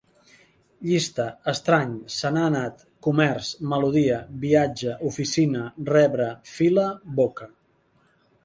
Llista: estrany, se n'ha anat, comerç, melodia, viatge, oficina, rebre, fila, boca